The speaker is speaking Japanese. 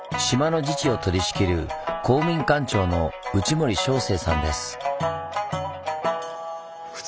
島の自治を取りしきる公民館長の内盛正聖さんです。